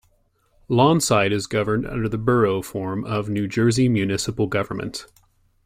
Lawnside is governed under the Borough form of New Jersey municipal government.